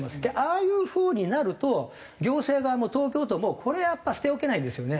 ああいう風になると行政側も東京都もこれはやっぱ捨て置けないんですよね。